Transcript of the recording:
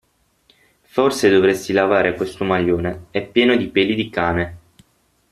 Forse dovresti lavare questo maglione, è pieno di peli di cane!